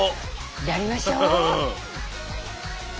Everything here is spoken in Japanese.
やりましょう。